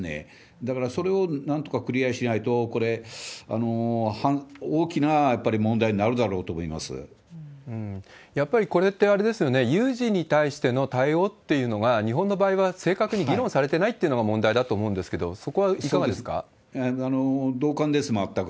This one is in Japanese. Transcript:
だからそれをなんとかクリアしないと、これ、大きなやっぱり問題やっぱりこれって、あれですよね、有事に対しての対応っていうのが、日本の場合は正確に議論されてないっていうのが問題だと思うんで同感です、全く。